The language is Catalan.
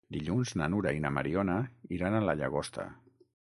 Dilluns na Nura i na Mariona iran a la Llagosta.